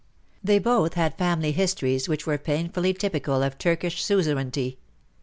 They both had family histories which were 152 WAR AND WOMEN painfully typical of Turkish suzerainty.